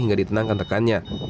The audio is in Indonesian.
hingga ditenangkan tekannya